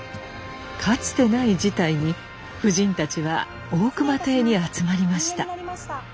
かつてない事態に夫人たちは大隈邸に集まりました。